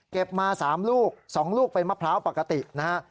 มา๓ลูก๒ลูกเป็นมะพร้าวปกตินะฮะ